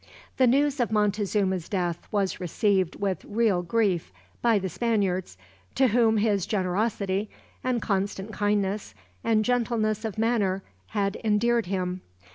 The news of Montezuma's death was received with real grief by the Spaniards, to whom his generosity, and constant kindness, and gentleness of manner had endeared him.